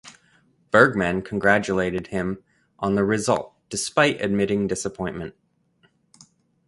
Bergman congratulated him on the result despite admitting disappointment.